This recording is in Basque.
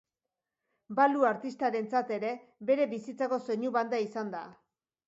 Balu artistarentzat ere, bere bizitzako soinu banda izan da.